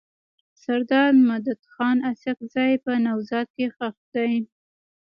سردار مددخان اسحق زی په نوزاد کي ښخ دی.